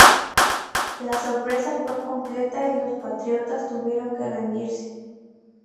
La sorpresa fue completa y los patriotas tuvieron que rendirse.